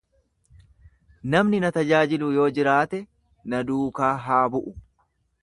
Namni na tajaajilu yoo jiraate na duukaa haa bu’u.